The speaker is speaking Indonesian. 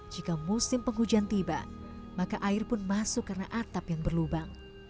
jika musim penghujan tiba maka air pun masuk karena atap yang berlubang